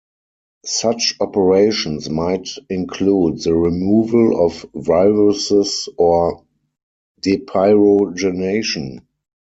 Such operations might include the removal of viruses or depyrogenation.